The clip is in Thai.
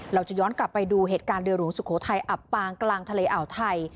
เราจะย้อนกลับไปดูเหตุการณ์เรือหลวงสุโขทัยอับปางกลางทะเลอ่าวไทย